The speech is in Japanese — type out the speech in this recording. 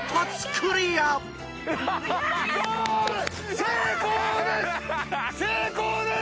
成功です！